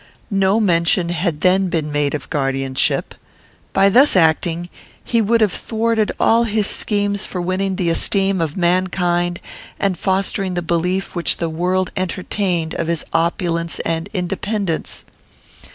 No mention had then been made of guardianship. By thus acting, he would have thwarted all his schemes for winning the esteem of mankind and fostering the belief which the world entertained of his opulence and independence.